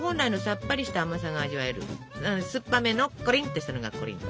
酸っぱめのコリンっとしたのがコリント。